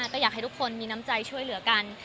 ก็อยากให้ทุกคนมีน้ำใจช่วยเหลือกัน